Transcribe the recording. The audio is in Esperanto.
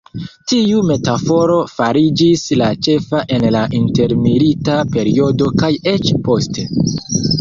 Tiu metaforo fariĝis la ĉefa en la intermilita periodo kaj eĉ poste.